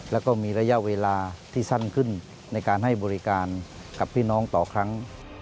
แล้วก็มีระยะเวลาที่สั้นขึ้นในการให้บริการกับพี่น้องต่อครั้ง